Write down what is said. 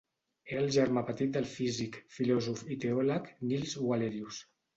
Era el germà petit del físic, filòsof i teòleg Nils Wallerius.